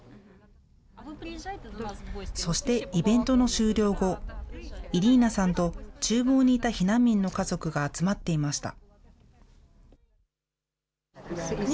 そして、イベントの終了後、イリーナさんとちゅう房にいた避難民の家族が集まっていました。